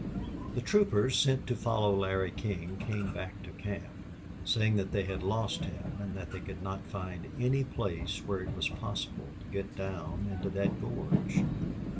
The troopers sent to follow Larry King came back to camp, saying that they had lost him and that they could not find any place where it was possible to get down into that gorge.